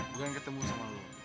gue yang ketemu sama lo